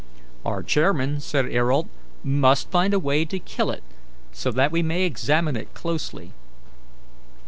"Our chairman," said Ayrault, "must find a way to kill it, so that we may examine it closely."